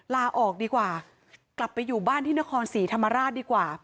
ลาออกดีกว่ากลับไปอยู่บ้านที่นครศรีธรรมราชดีกว่า